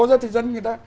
ra thì dân người ta